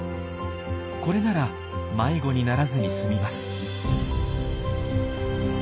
これなら迷子にならずに済みます。